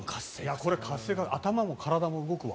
これ、頭も体も動くわ。